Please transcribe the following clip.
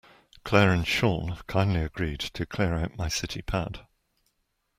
Claire and Sean kindly agreed to clear out my city pad.